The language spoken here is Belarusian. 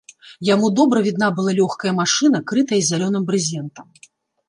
Яму добра відна была лёгкая машына, крытая зялёным брызентам.